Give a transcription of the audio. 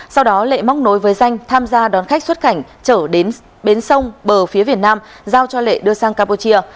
sau đó lệ móc nối với danh tham gia đón khách xuất cảnh trở đến bến sông bờ phía việt nam giao cho lệ đưa sang campuchia